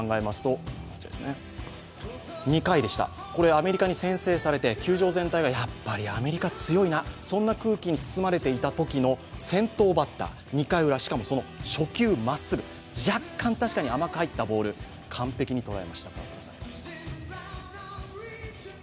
アメリカに先制されて、球場全体がやっぱりアメリカ強いな、そんな空気に包まれていたときの先頭バッター、２回ウラ、しかもその初球、まっすぐ、若干確かに甘く入ったボール、完璧に捉えました。